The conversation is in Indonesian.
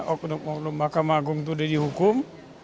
okno makam agung itu sudah dihukum